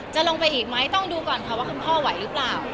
จะลงไปอีกไหมต้องดูก่อนค่ะว่าคุณพ่อไหวหรือเปล่า